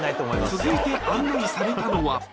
続いて案内されたのは。